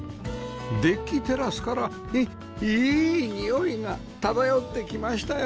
デッキテラスからいいいにおいが漂ってきましたよ！